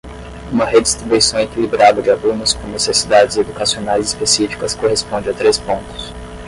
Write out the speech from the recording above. Uma redistribuição equilibrada de alunos com necessidades educacionais específicas corresponde a três pontos.